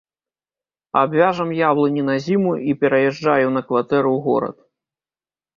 Абвяжам яблыні на зіму, і пераязджаю на кватэру ў горад.